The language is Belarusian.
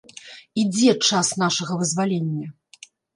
Ідзе час нашага вызвалення!